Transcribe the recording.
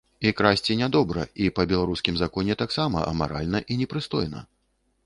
І красці не добра, і па беларускім законе таксама амаральна і непрыстойна.